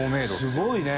すごいね。